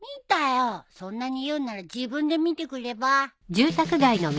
そんなに言うんなら自分で見てくれば？